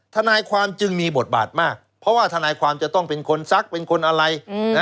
ทนายความจึงมีบทบาทมากเพราะว่าทนายความจะต้องเป็นคนซักเป็นคนอะไร